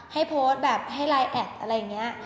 ให้โพสต์แบบให้ไลน์แอดอะไรอย่างนี้